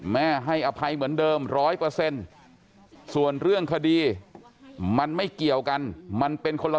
แม่ให้อภัยเหมือนเดิมร้อยเปอร์เซ็นต์ส่วนเรื่องคดีมันไม่เกี่ยวกัน